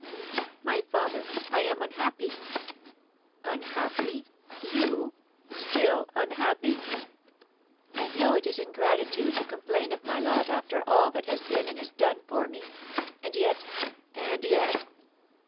"My father, I am unhappy!" "Unhappy! you? still unhappy!" "I know it is ingratitude to complain of my lot after all that has been and is done for me; and yet " "And yet?"